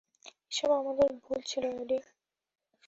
এসব আমাদের ভুল ছিল, এডি।